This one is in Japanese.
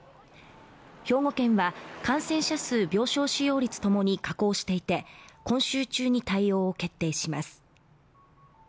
兵庫県は感染者数病床使用率ともに下降していて今週中に対応を決定します